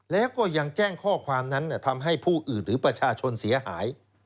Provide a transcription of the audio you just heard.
แล้วก็ยังแจ้งข้อความนั้นทำให้ผู้อื่นหรือประชาชนเสียหาย